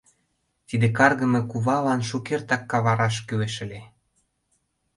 — Тиде каргыме кувалан шукертак кавараш кӱлеш ыле...